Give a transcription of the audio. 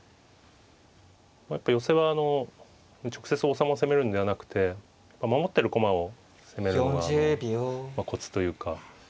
やっぱり寄せは直接王様を攻めるんではなくて守ってる駒を攻めるのがコツというか。